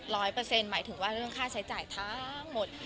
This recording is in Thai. ร้อยเปอร์เซ็นต์หมายถึงว่าเรื่องค่าใช้จ่ายทั้งหมด